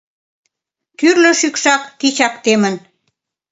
Тӱрлӧ шӱкшак тичак темын...